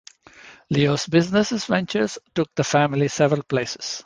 Leo's business ventures took the family several places.